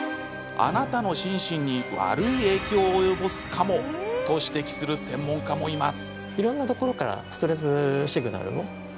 あなたの心身に悪い影響を及ぼすかもと指摘する専門家もいます。